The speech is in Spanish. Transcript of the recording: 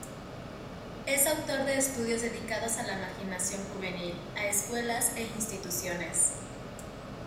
Es autor de estudios dedicados a la marginación juvenil, a escuelas e instituciones.